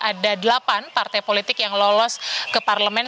ada delapan partai politik yang lolos ke parlemen